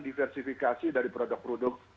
diversifikasi dari produk produk